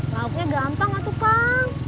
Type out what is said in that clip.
lauknya gampang watu kang